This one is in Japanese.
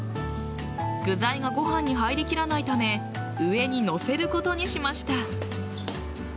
具材がご飯に入りきらないため上に載せることにしました。